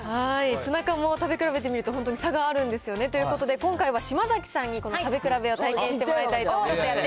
ツナ缶も食べ比べて見ると、差があるんですよね。ということで、今回は島崎さんにこの食べ比べを体験してもらいたいと思います。